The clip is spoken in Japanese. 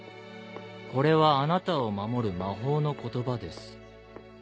「これはあなたを守る魔法の言葉です。